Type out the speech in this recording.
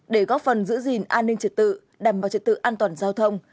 để góp phần giữ gìn an ninh trật tự đảm bảo trật tự an toàn giao thông